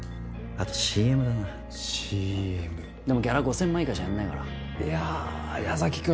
あとＣＭだなＣＭでもギャラ５０００万以下じゃやんないからやあ矢崎君